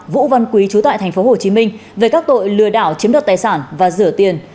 vũ văn quý trú tại tp hcm về các tội lừa đảo chiếm đoạt tài sản và rửa tiền